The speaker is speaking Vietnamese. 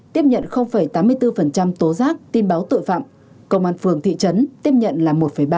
tiếp nhận tám mươi bốn tố giác tin báo tội phạm công an phường thị trấn tiếp nhận là một ba